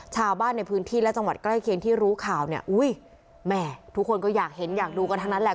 ชาวบ้านในพื้นที่และจังหวัดใกล้เคียงที่รู้ข่าวเนี่ยอุ้ยแม่ทุกคนก็อยากเห็นอยากดูกันทั้งนั้นแหละ